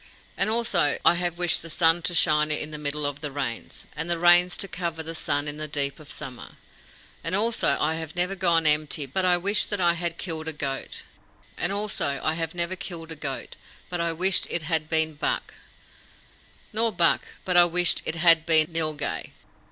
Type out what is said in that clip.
And also I have wished the sun to shine in the middle of the Rains, and the Rains to cover the sun in the deep of summer; and also I have never gone empty but I wished that I had killed a goat; and also I have never killed a goat but I wished it had been buck; nor buck but I wished it had been nilghai.